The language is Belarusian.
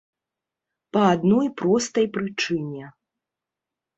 Па адной простай прычыне.